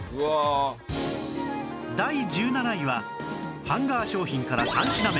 第１７位はハンガー商品から３品目